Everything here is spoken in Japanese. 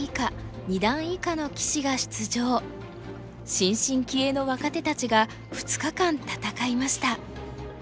新進気鋭の若手たちが２日間戦いました。